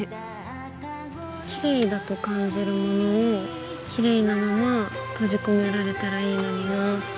きれいだと感じるものをきれいなまま閉じ込められたらいいのになぁって。